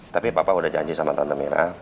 tapi papa udah janji sama tante merah